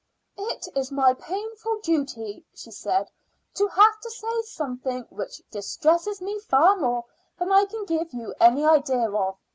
"It is my painful duty," she said, "to have to say something which distresses me far more than I can give you any idea of.